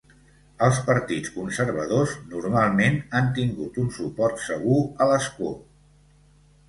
Els partits conservadors normalment han tingut un suport segur a l'escó.